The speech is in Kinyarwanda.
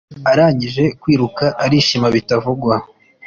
Arangije kwiruka, arishima bita vungwa.